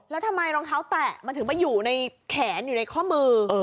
แล้วทำไมรองเท้าแตะมันถึงไปอยู่ในแขนอยู่ในข้อมือ